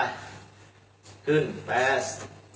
ขึ้นแฟส